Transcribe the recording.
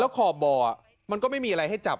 ขอบบ่อมันก็ไม่มีอะไรให้จับ